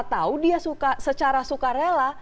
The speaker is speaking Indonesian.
tahu dia secara suka rela